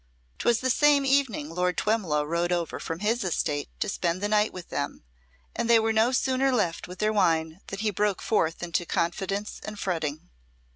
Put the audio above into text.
'Twas the same evening Lord Twemlow rode over from his estate to spend the night with them, and they were no sooner left with their wine than he broke forth into confidence and fretting.